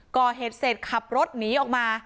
ก่อเหตุเสร็จขับรถหนีออกมา